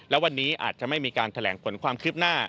และวันนี้อาจจะไม่มีการแถลงผลความคืบหน้า